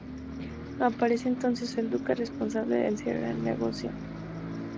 Aparece, entonces, el Duque, responsable del cierre del negocio.